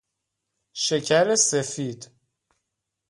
شکر سفید